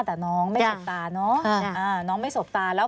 แต่น้องไม่สบตาเนอะ